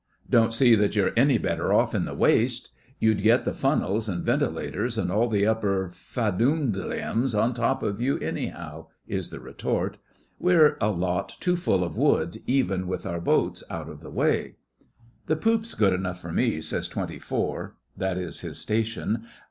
'Don't see that you're any better off in the waist. You'd get the funnels and ventilators and all the upper fanoodleums on top of you, anyhow,' is the retort. 'We're a lot too full of wood, even with our boats out of the way.' 'The poop's good enough for me,' says Twenty Four (that is his station).